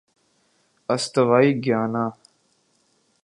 استوائی Guyana